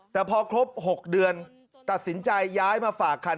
แต่พอครบ๖เดือนตัดสินใจย้ายมาฝากคัน